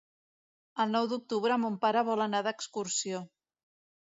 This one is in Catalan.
El nou d'octubre mon pare vol anar d'excursió.